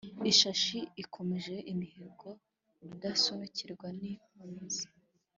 ishashi ikomeje imihigo rudasunikwa n' impunzi